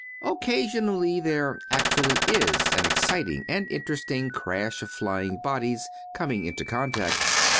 Occasionally there actually is an exciting and interesting crash of flying bodies coming into contact.